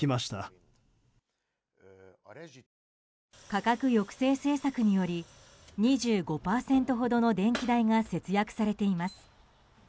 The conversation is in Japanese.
価格抑制策により２５％ほどの電気代が節約されています。